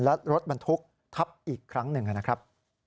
และรถบรรทุกทับอีกครั้งหนึ่งนะครับ